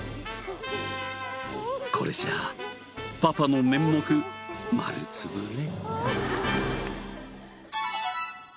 これじゃあパパの面目丸潰れ。